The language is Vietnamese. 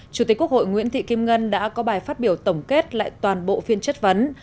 chủ tịch quốc hội nguyễn thị kim ngân đã có bài phát biểu tổng kết lại toàn bộ phiên chất vấn